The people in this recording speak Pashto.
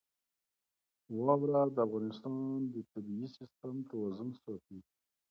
واوره د افغانستان د طبعي سیسټم توازن ساتي.